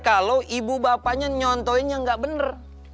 kalau ibu bapanya nyontohin yang gak bener